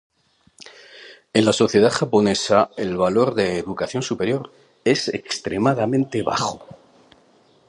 En la sociedad japonesa el valor de educación superior es extremadamente bajo.